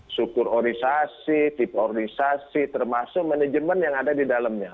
struktur organisasi tip organisasi termasuk manajemen yang ada di dalamnya